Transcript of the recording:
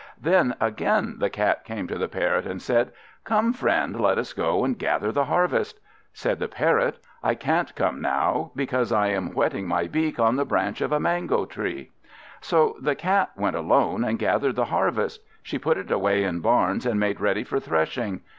Then again the Cat came to the Parrot, and said "Come, friend, let us go and gather the harvest." Said the Parrot, "I can't come now, because I am whetting my beak on the branch of a mango tree." So the Cat went alone, and gathered the harvest. She put it away in barns, and made ready for threshing.